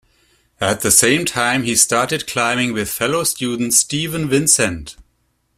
At the same time, he started climbing with fellow student Steven Vincent.